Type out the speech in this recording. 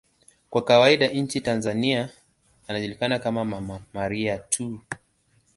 Kwa kawaida nchini Tanzania anajulikana kama 'Mama Maria' tu.